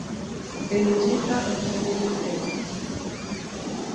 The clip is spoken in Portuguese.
Benedita Antônia de Freitas